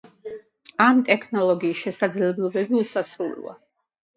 ამ ტექნოლოგიის შესაძლებლობები უსასრულოა.